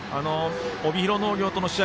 帯広農業との試合